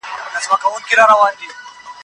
ایا ګوندي تحلیلونو په دې هېواد کي تباهي راوړې ده؟